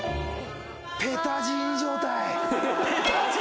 ペタジーニ状態！